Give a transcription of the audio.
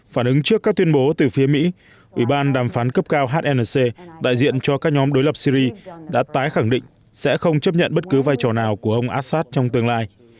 phản ứng trước các tuyên bố từ phía mỹ ủy ban đàm phán cấp cao hnc đại diện cho các nhóm đối lập syri đã tái khẳng định sẽ không chấp nhận bất cứ vai trò nào của ông assad trong tương lai